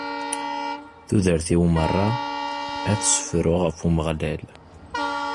Tudert-iw merra, ad ssefruɣ ɣef Umeɣlal.